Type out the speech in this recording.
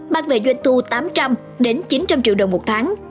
mang về doanh thu tám trăm linh chín trăm linh triệu đồng một tháng